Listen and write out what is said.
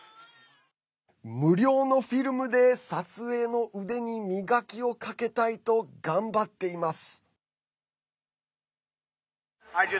無料のフィルムで、撮影の腕に磨きをかけたいと頑張っています。